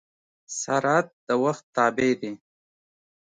سرعت د وخت تابع دی.